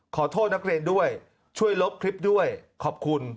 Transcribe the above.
ขอโทษนักเรียนด้วยช่วยลบคลิปด้วยขอบคุณ